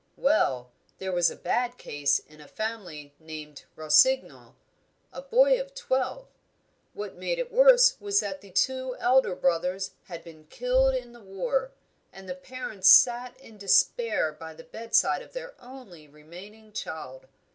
Well, there was a bad case in a family named Rossignol: a boy of twelve. What made it worse was that two elder brothers had been killed in the war, and the parents sat in despair by the bedside of their only remaining child.